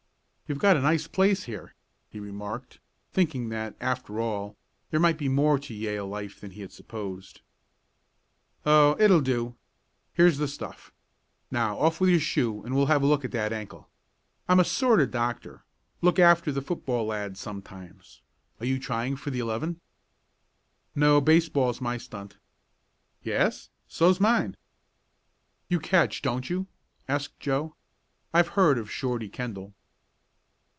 "You've got a nice place here," he remarked, thinking that, after all, there might be more to Yale life than he had supposed. "Oh, it'll do. Here's the stuff. Now off with your shoe and we'll have a look at that ankle. I'm a sort of doctor look after the football lads sometimes. Are you trying for the eleven?" "No, baseball is my stunt." "Yes? So's mine." "You catch, don't you?" asked Joe. "I've heard of 'Shorty' Kendall."